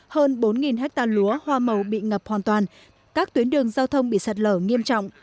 hơn bốn hectare lúa hoa màu bị ngập hoàn toàn các tuyến đường giao thông bị sạt lở nghiêm trọng